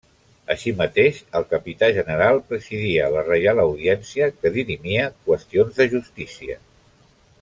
Així mateix el capità general presidia la Reial Audiència, que dirimia qüestions de justícia.